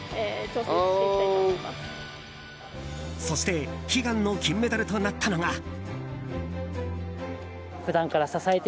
そして悲願の金メダルとなったのが。